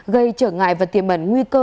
gây trở ngại và tiềm mẩn nguy cơ